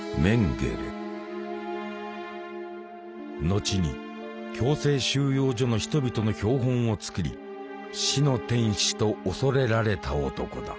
後に強制収容所の人々の標本を作り「死の天使」と恐れられた男だ。